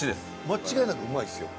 間違いなくうまいですよ。